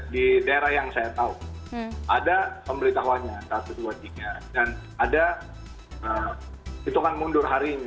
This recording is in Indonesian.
di daerah yang saya tahu ada pemberitahuannya dan ada hitungan mundur hari ini